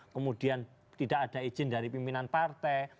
kemudian tidak ada izin dari pimpinan partai